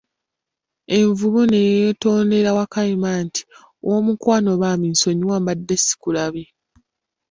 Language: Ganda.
Envubu ne yetondera Wakayima nti, ow'omukwano bambi nsonyiwa, mbadde sikulabye.